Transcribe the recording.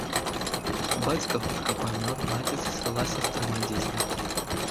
Бацька хутка памёр, маці засталася з трыма дзецьмі.